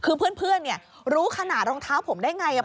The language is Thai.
คือเพื่อนรู้ขนาดรองเท้าผมได้ไง